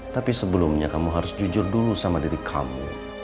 tapi sebelumnya kamu harus jujur dulu sama diri kamu